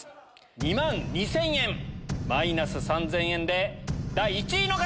２万２０００円マイナス３０００円で第１位の方。